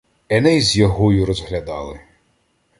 Еней з ягою розглядали